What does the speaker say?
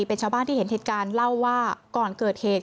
เป็นชาวบ้านที่เห็นเหตุการณ์เล่าว่าก่อนเกิดเหตุ